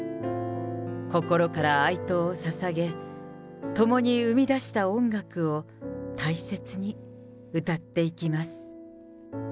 心から哀悼をささげ、共に生み出した音楽を大切に歌っていきます。